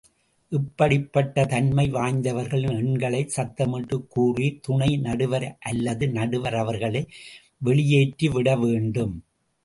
இப்படிப்பட்ட தன்மை வாய்ந்தவர்களின் எண்களைச் சத்தமிட்டு கூறி, துணை நடுவர் அல்லது நடுவர், அவர்களை வெளியேற்றிவிட வேண்டும்.